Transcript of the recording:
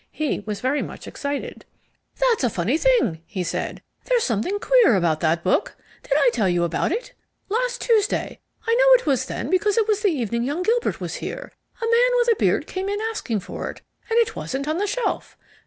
He was very much excited. "That's a funny thing," he said. "There's something queer about that book. Did I tell you about it? Last Tuesday I know it was then because it was the evening young Gilbert was here a man with a beard came in asking for it, and it wasn't on the shelf.